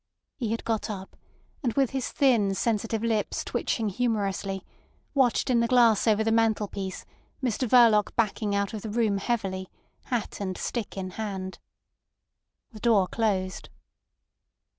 He had got up, and with his thin sensitive lips twitching humorously, watched in the glass over the mantelpiece Mr Verloc backing out of the room heavily, hat and stick in hand. The door closed.